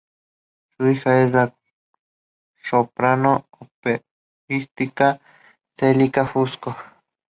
Su hija es la soprano operística Cecilia Fusco.